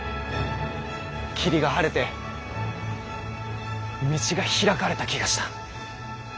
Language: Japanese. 霧が晴れて道が開かれた気がした。